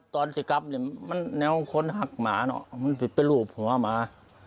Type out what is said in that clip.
ตอนที่กลับเนี่ยมันแนวคนหักหมาเนอะมันผิดไปรูปหัวหมา